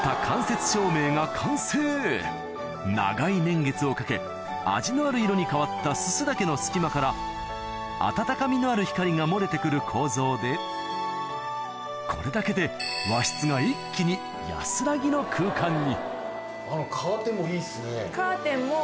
長い年月をかけ味のある色に変わった煤竹の隙間から温かみのある光が漏れてくる構造でこれだけで和室が一気にあそこに。